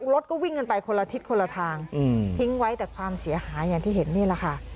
รถก็วิ่งกันไปคนละทิศคนละทางทิ้งไว้แต่ความเสียหายอย่างที่เห็นนี่แหละค่ะ